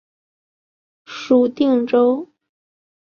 属定州。